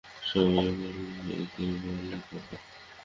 সবাই বললে একেই বলে কপাল!